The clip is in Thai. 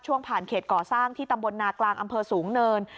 ผ่านเขตก่อสร้างที่ตำบลนากลางอำเภอสูงเนิน